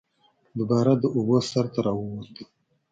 دوباره د اوبو سر ته راووت